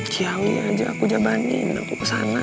kiawi aja aku jabanin aku kesana